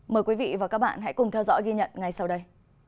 mời quý vị và các bạn hãy cùng theo dõi ghi nhận ngay sau đây